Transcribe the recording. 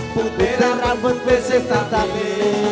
putih rambut besi tetapi